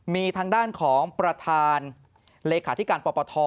มีทางด้านของประธานเลขาธิการปปท